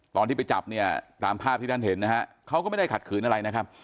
ตอนที่ไปจับเนี่ยตามภาพที่ท่านเห็นนะฮะเขาก็ไม่ได้ขัดขืนอะไรนะครับ